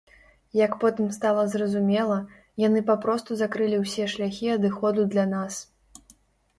Як потым стала зразумела, яны папросту закрылі ўсе шляхі адыходу для нас.